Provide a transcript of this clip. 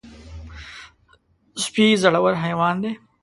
سپي زړور حیوان دی.